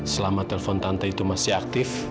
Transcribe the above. selama telpon tante itu masih aktif